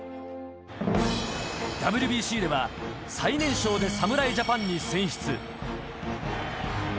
ＷＢＣでは最年少で侍ジャパンに選出。